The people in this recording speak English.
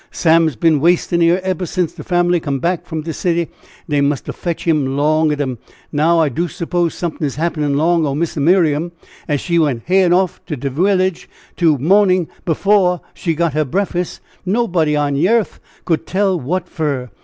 Sam's been waystin' here eber since de fam'ly come from de city dey must o' fetch him long o' dem. Now I do 'spose sumtin is happen long o' Miss Miriam as went heyin' off to de willidge dis mornin' afore she got her brekfas, nobody on de yeth could tell what fur.